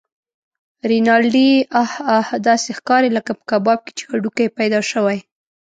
رینالډي: اه اه! داسې ښکارې لکه په کباب کې چې هډوکی پیدا شوی.